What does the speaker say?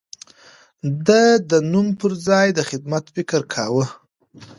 ده د نوم پر ځای د خدمت فکر کاوه.